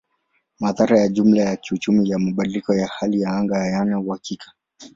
Madhara ya jumla ya kiuchumi ya mabadiliko ya hali ya anga hayana uhakika.